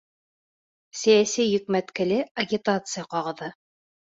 Сәйәси йөкмәткеле агитация ҡағыҙы.